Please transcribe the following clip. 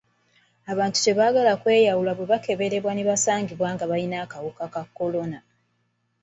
Abantu tebaagala kweyawula bwe bakeberebwa ne kizuulibwa nga balina akawuka ka kolona.